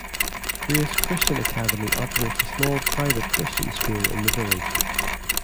Grace Christian Academy operates a small private Christian school in the village.